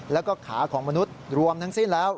แล้วก็ขาของมนุษย์รวมทั้งสิ้นแล้ว